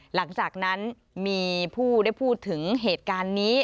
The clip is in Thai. หลังจากนั้นมีผู้ได้พูดถึงเหตุการณ์นี้